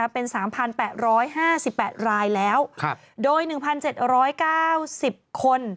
เป็น๓๘๕๘รายแล้วโดย๑๗๙๐คน